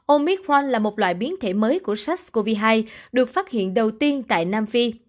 omicron là một loại biến thể mới của sars cov hai được phát hiện đầu tiên tại nam phi